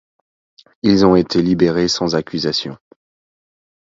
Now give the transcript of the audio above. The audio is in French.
Ils ont été libérés sans accusation.